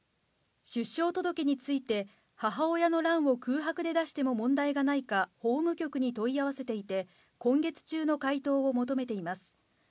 出生届について、母親の欄を空白で出しても問題がないか、法務局に問い合わせていて、今月中の回答を求めています。